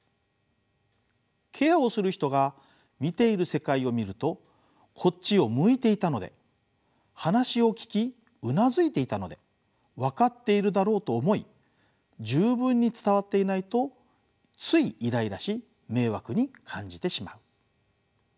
ケアをする人が見ている世界を見るとこっちを向いていたので話を聞きうなずいていたのでわかっているだろうと思い十分に伝わっていないとついイライラし迷惑に感じてしまう。